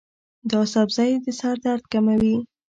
دا سبزی د سر درد کموي.